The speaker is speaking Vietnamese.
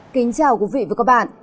kính chào quý vị và các bạn